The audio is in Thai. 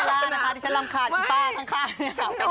เบลล่านะคะที่ฉันลำคาดอีกป้าข้างเนี่ย